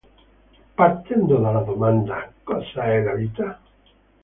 Partendo dalla domanda "cosa è la vita?